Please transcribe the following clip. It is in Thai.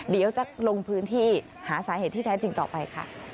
เดี๋ยวจะลงพื้นที่หาสาเหตุที่แท้จริงต่อไปค่ะ